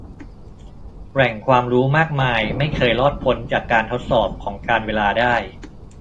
แหล่งความรู้มากมายไม่เคยรอดพ้นจากการทดสอบของการเวลาได้